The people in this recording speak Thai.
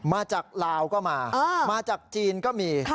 มาจากลาวก็มามาจากจีนก็มี